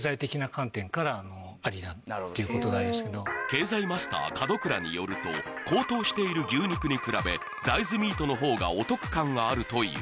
経済マスター門倉によると高騰している牛肉に比べ大豆ミートの方がお得感があるという